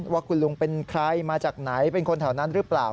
ว่าคุณลุงเป็นใครมาจากไหนเป็นคนแถวนั้นหรือเปล่า